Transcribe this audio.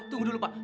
tunggu dulu pak